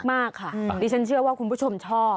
มากค่ะดิฉันเชื่อว่าคุณผู้ชมชอบ